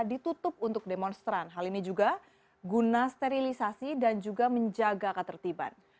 ditutup untuk demonstran hal ini juga guna sterilisasi dan juga menjaga ketertiban